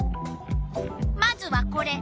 まずはこれ。